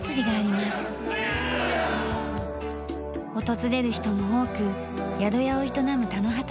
訪れる人も多く宿屋を営む田之畑